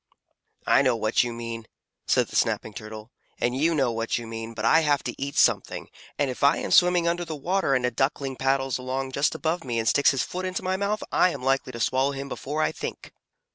"I know what you mean," said the Snapping Turtle, "and you know what you mean, but I have to eat something, and if I am swimming under the water and a Duckling paddles along just above me and sticks his foot into my mouth, I am likely to swallow him before I think."